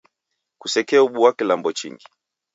Kusekeobua kilambo chingi